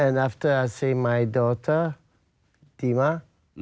แล้วช่วยด่วนแถวนี้ดิม่า